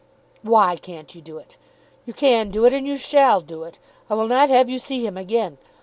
"Why can't you do it? You can do it, and you shall do it. I will not have you see him again.